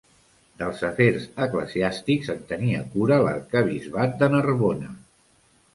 Dels afers eclesiàstics, en tenia cura l'arquebisbat de Narbona.